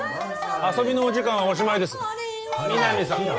遊びのお時間はおしまいです皆実さん